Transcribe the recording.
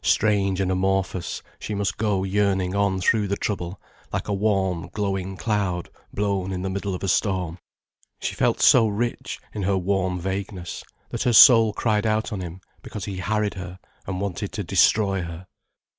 Strange and amorphous, she must go yearning on through the trouble, like a warm, glowing cloud blown in the middle of a storm. She felt so rich, in her warm vagueness, that her soul cried out on him, because he harried her and wanted to destroy her.